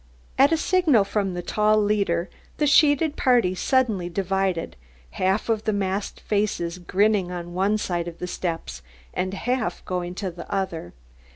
At a signal from the tall leader, the sheeted party suddenly divided, half of the masked faces grinning on one side of the steps, and half going to the other.